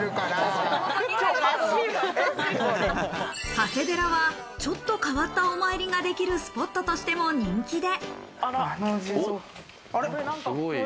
長谷寺はちょっと変わったお参りができるスポットとしても人気で。